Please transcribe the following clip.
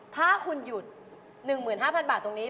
ถ้าคุณหยุด๑๕๐๐บาทตรงนี้